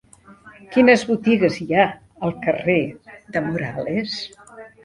Quines botigues hi ha al carrer de Morales?